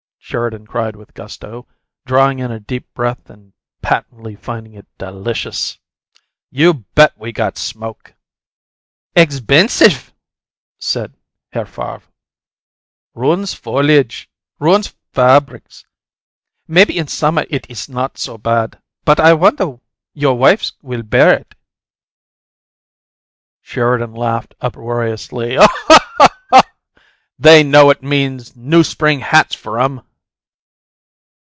Sheridan cried with gusto, drawing in a deep breath and patently finding it delicious. "You BET we got smoke!" "Exbensif!" said Herr Favre. "Ruins foliage; ruins fabrics. Maybe in summer it iss not so bad, but I wonder your wifes will bear it." Sheridan laughed uproariously. "They know it means new spring hats for 'em!"